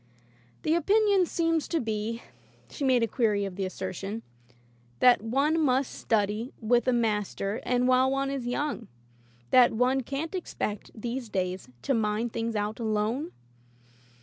"The opinion seems to be," she made a query of the assertion, "that one must study with a master and while one is young; that one can't expect, these days, to mine things out alone?"